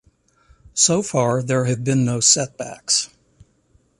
So far, there have been no setbacks.